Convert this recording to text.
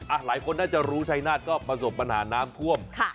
หลายคนน่าจะรู้ชัยนาฏก็ประสบปัญหาน้ำท่วม